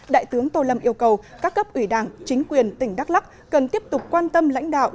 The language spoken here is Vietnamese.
đại tướng tô lâm yêu cầu các cấp ủy đảng chính quyền tỉnh đắk lắc cần tiếp tục quan tâm lãnh đạo